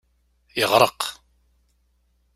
Yeɣreq.